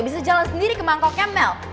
bisa jalan sendiri ke mangkoknya mel